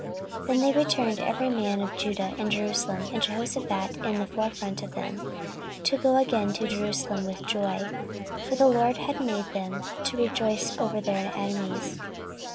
14:020:027 Then they returned, every man of Judah and Jerusalem, and Jehoshaphat in the forefront of them, to go again to Jerusalem with joy; for the LORD had made them to rejoice over their enemies.